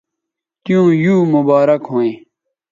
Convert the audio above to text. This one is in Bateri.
تیوں یو مبارک ھویں